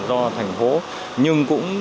do thành phố nhưng cũng